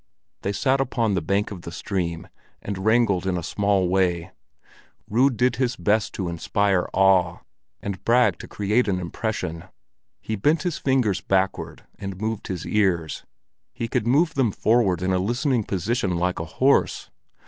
They sat upon the bank of the stream and wrangled in a small way. Rud did his best to inspire awe, and bragged to create an impression. He bent his fingers backward and moved his ears; he could move them forward in a listening position like a horse.